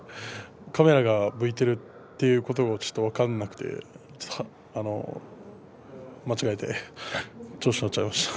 カメラが向いているということもちょっと分からなくて間違えて調子に乗っちゃいました。